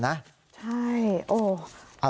ใช่โอ้